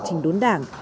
trình đốn đảng